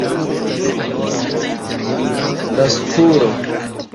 La spuro estas lineara operatoro.